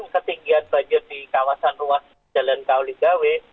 ketinggian banjir di kawasan ruas jalan kauligawi